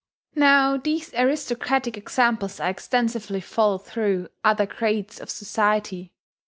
Now these aristocratic examples are extensively followed through other grades of society.